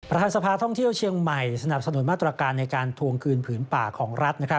ประธานสภาท่องเที่ยวเชียงใหม่สนับสนุนมาตรการในการทวงคืนผืนป่าของรัฐ